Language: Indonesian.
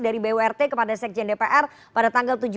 dari bwrt kepada sekjen dpr pada tanggal tujuh belas mei mendatang